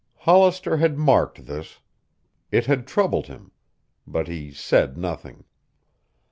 Hollister had marked this. It had troubled him. But he said nothing.